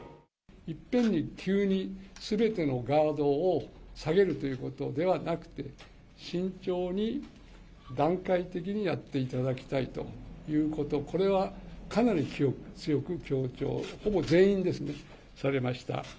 いっぺんに急にすべてのガードを下げるということではなくて、慎重に、段階的にやっていただきたいということ、これはかなり強く強調、ほぼ全員ですね、されました。